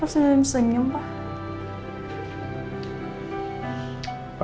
apa senyum senyum pak